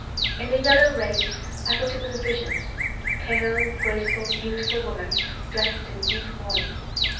In the yellow rays I thought it was a vision: a pale, graceful, beautiful woman, dressed in deep mourning.